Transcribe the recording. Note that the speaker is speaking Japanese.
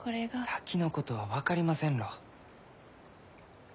先のことは分かりませんろう。